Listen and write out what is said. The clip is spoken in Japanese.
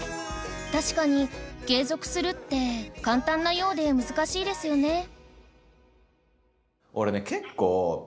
確かに継続するって簡単なようで難しいですよね